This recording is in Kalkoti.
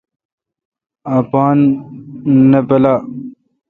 اپان نہ پُالا۔